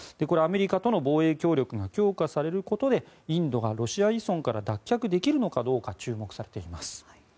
これはアメリカとの防衛協力が強化されることでインドがロシア依存から脱却できるか注目されています。